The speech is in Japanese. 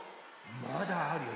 まだあるよ。